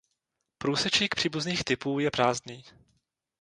Průsečík příbuzných typů je prázdný.